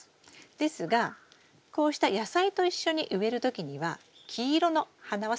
ですがこうした野菜と一緒に植える時には黄色の花は避けて下さい。